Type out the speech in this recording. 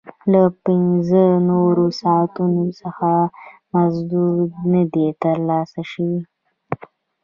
له پنځه نورو ساعتونو څخه مزد نه دی ترلاسه شوی